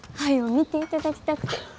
見ていただきたくて。